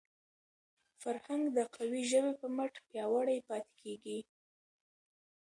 فرهنګ د قوي ژبي په مټ پیاوړی پاتې کېږي.